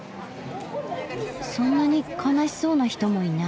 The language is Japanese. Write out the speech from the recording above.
そんなに悲しそうな人もいない。